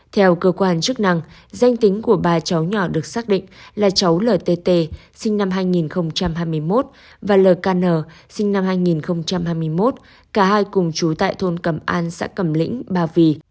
theo cơ quan chức năng danh tính của ba cháu nhỏ được xác định là cháu ltt sinh năm hai nghìn hai mươi một và lkn sinh năm hai nghìn hai mươi một cả hai cùng trú tại thôn cầm an xã cầm lĩnh bà vì